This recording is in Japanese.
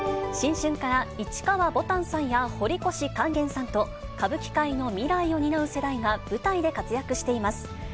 新春から市川ぼたんさんや、堀越勸玄さんと、歌舞伎界の未来を担う世代が、舞台で活躍しています。